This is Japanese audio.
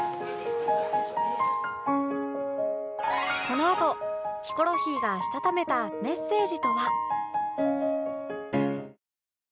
このあとヒコロヒーがしたためたメッセージとは？